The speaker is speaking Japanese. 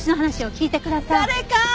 誰か！